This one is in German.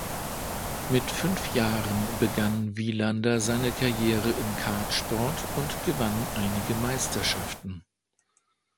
Mit fünf Jahren begann Vilander seine Karriere im Kartsport und gewann einige Meisterschaften.